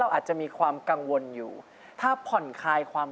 อยากให้อายซอยก็ให้แน่